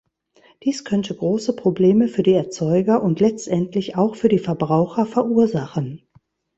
Dies könnte große Probleme für die Erzeuger und letztendlich auch für die Verbraucher verursachen.